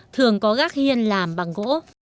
thường có gác hiền làm bằng gỗ